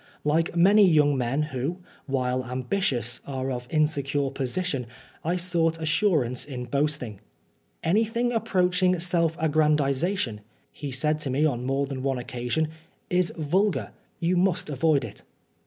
Like many young men who, while ambitious, are of insecure position, I sought assurance in boasting. " Anything approaching self ag grandisation," he said to me on more than one occasion, "is vulgar. You must avoid it."